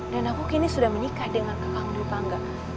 dan aku kini sudah menikah dengan kakang kakang pangga